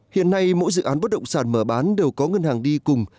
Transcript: hiện nay mỗi dự án bất động sản mở bán đều có ngân hàng đi cùng